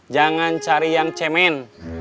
jangan cari yang cemen